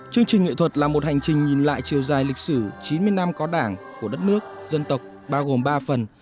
chương trình nghệ thuật là một hành trình nhìn lại chiều dài lịch sử chín mươi năm có đảng của đất nước dân tộc bao gồm ba phần